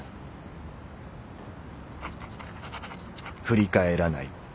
「振り返らない